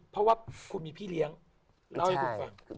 เพราะว่าคุณมีพี่เลี้ยงเล่าให้คุณฟัง